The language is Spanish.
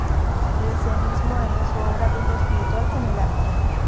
De este mismo año es su obra "De lo espiritual en el arte.